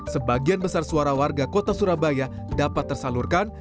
sebagian besar suara warga kota surabaya dapat tersalurkan